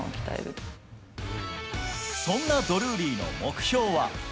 そんなドルーリーの目標は。